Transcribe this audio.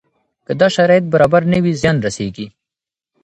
که دا شرایط برابر نه وي زیان رسېږي.